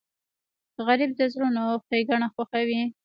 غریب د زړونو ښیګڼه خوښوي